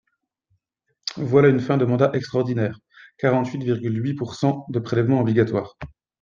Voilà une fin de mandat extraordinaire, quarante-huit virgule huit pourcent de prélèvements obligatoires.